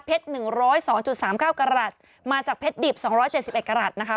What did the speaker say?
๑๐๒๓๙กรัฐมาจากเพชรดิบ๒๗๑กรัฐนะคะ